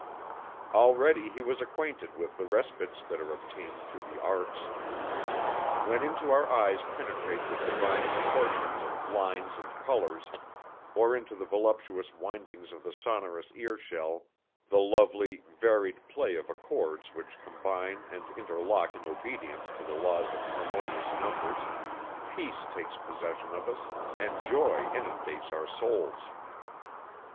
Already was he acquainted with the respites that are obtained through the arts. When into our eyes penetrate the divine proportions of lines and colors, or into the voluptuous windings of the sonorous ear shell the lovely, varied play of accords which combine and interlock in obedience to the laws of harmonious numbers, peace takes possession of us and joy inundates our souls.